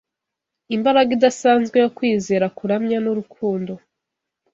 imbaraga idasanzwe yo kwizera kuramya n’urukundo.